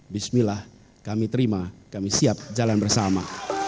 bismillah kami terima kami siap jalan bersama